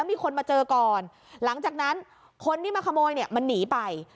มีคนมาเจอก่อนหลังจากนั้นคนที่มาขโมยเนี่ยมันหนีไป